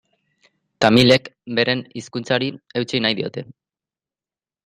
Tamilek beren hizkuntzari eutsi nahi diote.